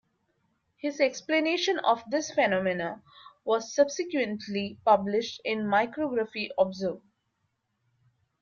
His explanation of this phenomenon was subsequently published in Micrography Observ.